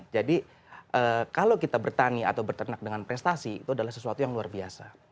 jadi kalau kita bertani atau berternak dengan prestasi itu adalah sesuatu yang luar biasa